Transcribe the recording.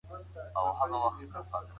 بد زړه تل غم راولي